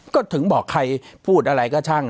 ก็ถึงบอกใครพูดอะไรก็ช่าง